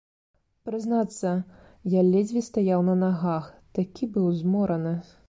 Прызнацца, я ледзьве стаяў на нагах, такі быў змораны.